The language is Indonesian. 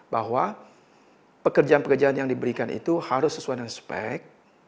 bahwa pekerjaan pekerjaan yang diberikan itu harus sesuai dengan spek